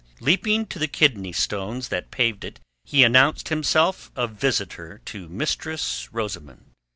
Leaping to the kidney stones that paved it, he announced himself a visitor to Mistress Rosamund.